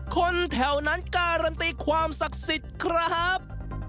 คนแถวนั้นการันตีความศักดิ์สิทธิ์ครับ